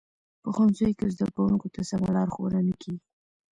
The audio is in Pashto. په ښوونځیو کې زده کوونکو ته سمه لارښوونه نه کیږي